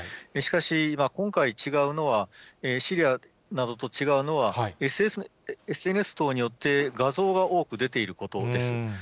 しかし、今回、違うのは、シリアなどと違うのは、ＳＮＳ等によって画像が多く出ていることです。